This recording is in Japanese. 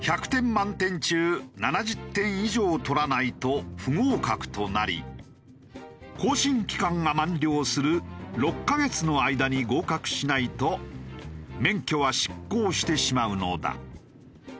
満点中７０点以上取らないと不合格となり更新期間が満了する６カ月の間に合格しないと免許は失効してしまうのだ。